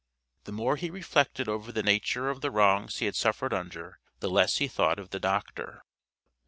The more he reflected over the nature of the wrongs he had suffered under, the less he thought of the Doctor.